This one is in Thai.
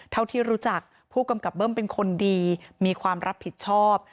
เท่าที่รู้จักผู้กำกับเบิ้มเป็นคนดีมีความรับผิดชอบ